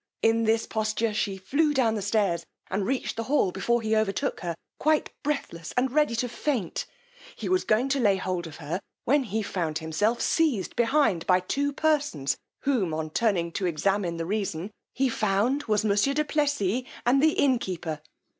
In this posture she flew down stairs, and reached the hall before he overtook her, quite breathless and ready to faint. He was going to lay hold of her, when he found himself seized behind by two persons, whom, on turning to examine the reason, he found was monsieur du Plessis and the innkeeper.